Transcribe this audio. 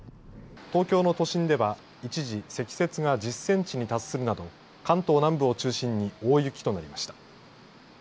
東京の都心では一時積雪が１０センチに達するなど関東南部を中心に大雪となりました。